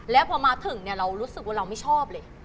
แล้วพอมาถึงเรารู้สึกว่าเราไม่ชอบเลย